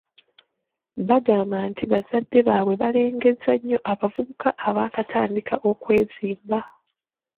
Bagamba nti bazadde baabwe balengezza nnyo abavubuka abaakatandika okwezimba.